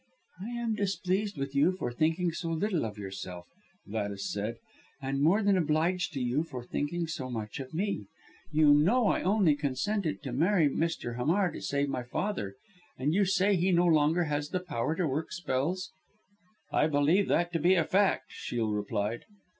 "I am displeased with you for thinking so little of yourself," Gladys said, "and more than obliged to you for thinking so much of me. You know I only consented to marry Mr. Hamar to save my father and you say he no longer has the power to work spells?" "I believe that to be a fact," Shiel replied.